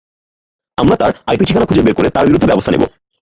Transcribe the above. আমরা তাঁর আইপি ঠিকানা খুঁজে বের করে তার বিরুদ্ধে ব্যবস্থা নেব।